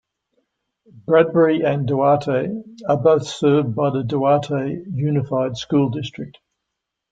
Bradbury and Duarte are both served by the Duarte Unified School District.